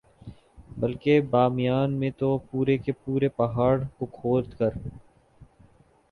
بلکہ بامیان میں تو پورے کے پورے پہاڑ کو کھود کر